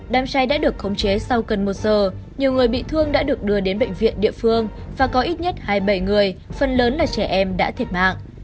đám cháy đã được khống chế sau gần một giờ nhiều người bị thương đã được đưa đến bệnh viện địa phương và có ít nhất hai mươi bảy người phần lớn là trẻ em đã thiệt mạng